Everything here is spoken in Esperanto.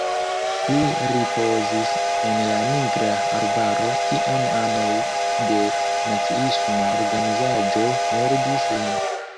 Li ripozis en la Nigra Arbaro, kiam anoj de naciisma organizaĵo murdis lin.